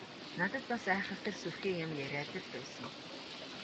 Надад бас айхавтар сүрхий юм яриад л байсан.